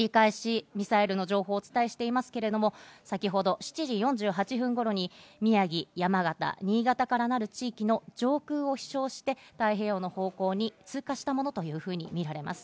繰り返しミサイルの情報をお伝えしていますけれども、先ほど７時４８分頃に宮城、山形、新潟からなる地域の上空を飛翔して太平洋の方向に通過したものというふうに見られます。